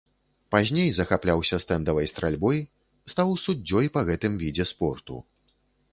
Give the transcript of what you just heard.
Пазней захапляўся стэндавай стральбой, стаў суддзёй па гэтым відзе спорту.